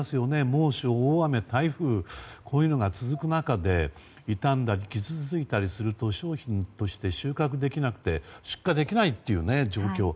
猛暑、大雨、台風こういうのが続く中で痛んだり傷ついたりすると商品として収穫できず出荷できないという状況。